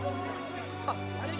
prosesi sampan geleng